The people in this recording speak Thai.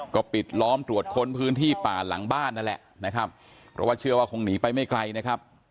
ก็ปิดล้อมตรวจค้นพื้นที่ป่าหลังบ้านนั่นแหละนะครับเพราะว่าเชื่อว่าคงหนีไปไม่ไกลนะครับ